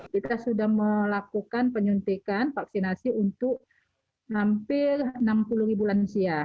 kita sudah melakukan penyuntikan vaksinasi untuk hampir enam puluh ribu lansia